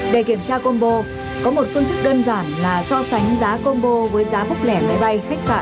để kiểm tra combo có một phương thức đơn giản là so sánh giá combo với giá búc lẻ máy bay khách sạn